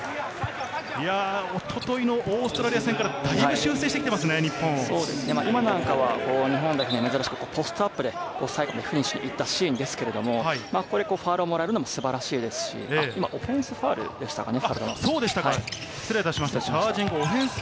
一昨日のオーストラリア戦からだいぶ修正してきていますね、今は日本代表、珍しくポストアップで最後フィニッシュに行ったシーンですけれども、ここでファウルをもらえるのも素晴らしいですし、オフェンスファウルでしたかね？